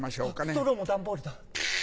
ストローも段ボールだ。